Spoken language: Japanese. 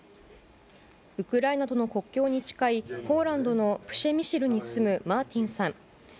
ウクライナとの国境に近いポーランドのプシェミシルに住むマーティンさん。